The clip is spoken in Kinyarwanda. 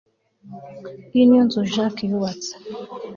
Iyi niyo nzu Jack yubatse